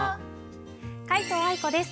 皆藤愛子です。